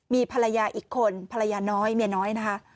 มีภรรยาอีกคนภรรยาน้อยเมียน้อยนะคะ